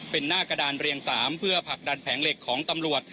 เป็นหน้ากระดานเรียง๓เพื่อผลักดันแผงเหล็กของตำรวจ